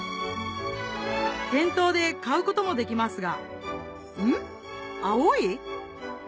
店頭で買うこともできますがん？